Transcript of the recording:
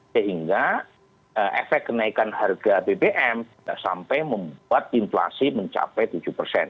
sehingga efek kenaikan harga bbm sampai membuat inflasi mencapai tujuh persen